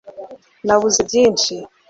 nabuze byinshi